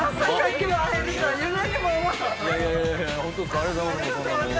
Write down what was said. ありがとうございます。